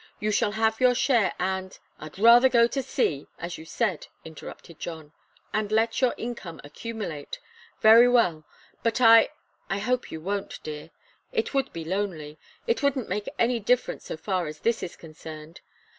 You shall have your share, and " "I'd rather go to sea as you said," interrupted John. "And let your income accumulate. Very well. But I I hope you won't, dear. It would be lonely. It wouldn't make any difference so far as this is concerned.